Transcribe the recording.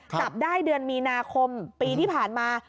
จับได้เดือนมีนาคมปีที่ผ่านมา